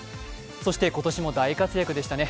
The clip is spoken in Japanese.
そして今年も大活躍でしたね。